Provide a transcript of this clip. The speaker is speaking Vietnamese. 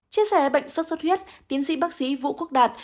chia sẻ bệnh sốt xuất huyết tiến sĩ bác sĩ vũ quốc đạt